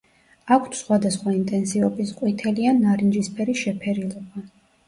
აქვთ სხვადასხვა ინტენსივობის ყვითელი ან ნარინჯისფერი შეფერილობა.